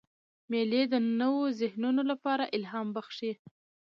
مېلې د نوو ذهنونو له پاره الهام بخښي.